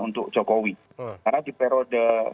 untuk jokowi karena di periode